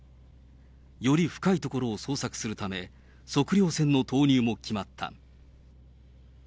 より深い所を捜索するため、測量船の投入も決まった。